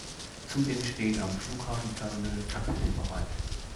Zudem stehen am Flughafenterminal Taxis bereit.